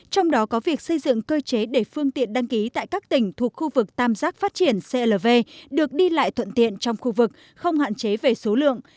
trong đó có việc xây dựng cơ chế để phương tiện đăng ký tại các tỉnh thuộc khu vực tam giác phát triển clv được đi lại thuận tiện trong khu vực không hạn chế về số lượng